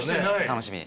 楽しみ？